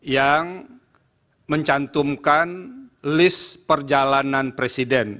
yang mencantumkan list perjalanan presiden